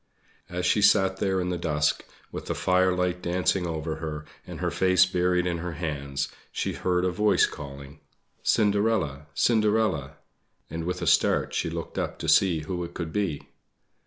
As she sat there in the dusk, with the firelight dancing over her, and her face buried in her hands, she heard a voice calling: "Cinderella, Cinderella!" and with a start she looked up to see who it could be.